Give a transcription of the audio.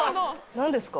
何ですか？